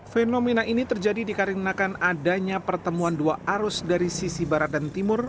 fenomena ini terjadi dikarenakan adanya pertemuan dua arus dari sisi barat dan timur